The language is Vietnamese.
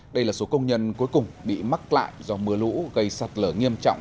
đây là số công nhân cuối cùng bị mắc lại do mưa lũ gây sạt lở nghiêm trọng